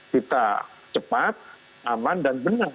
kita cepat aman dan benar